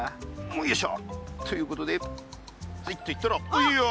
よいしょということでズイッといったらエイヤー！